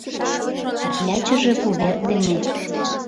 Тарлячыже вувер дене